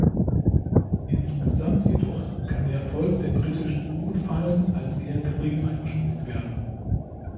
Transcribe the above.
Insgesamt jedoch kann der Erfolg der britischen U-Boot-Fallen als eher gering eingestuft werden.